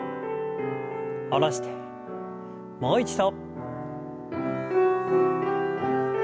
下ろしてもう一度。